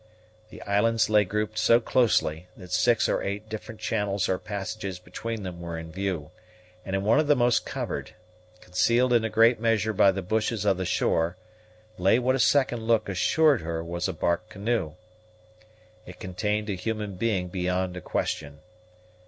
The islands lay grouped so closely, that six or eight different channels or passages between them were in view; and in one of the most covered, concealed in a great measure by the bushes of the shore, lay what a second look assured her was a bark canoe. It contained a human being beyond a question.